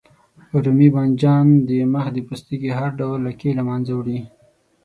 رومي بانجان د مخ د پوستکي هر ډول لکې له منځه وړي.